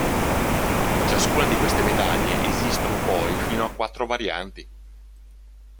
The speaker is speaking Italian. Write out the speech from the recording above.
Di ciascuna di queste medaglie esistono poi fino a quattro varianti.